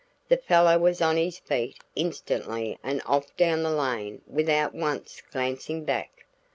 The fellow was on his feet instantly and off down the lane without once glancing back.